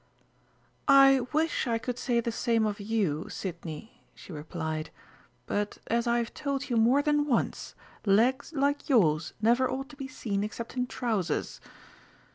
"I wish I could say the same of you, Sidney," she replied; "but, as I have told you more than once, legs like yours never ought to be seen except in trousers....